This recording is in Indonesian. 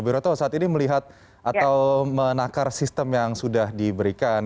bu roto saat ini melihat atau menakar sistem yang sudah diberikan